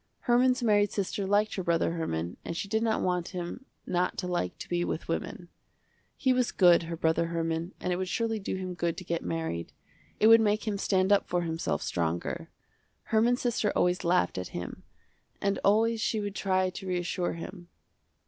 Herman's married sister liked her brother Herman, and she did not want him not to like to be with women. He was good, her brother Herman, and it would surely do him good to get married. It would make him stand up for himself stronger. Herman's sister always laughed at him and always she would try to reassure him.